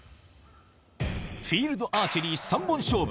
フィールドアーチェリー３本勝負。